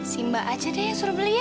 simba aja deh yang suruh beli ya